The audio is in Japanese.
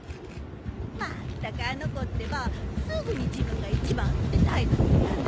まったくあの子ってばすぐに自分が一番って態度をするんだから。